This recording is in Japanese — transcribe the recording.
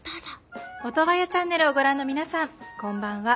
オトワヤチャンネルをご覧の皆さんこんばんは。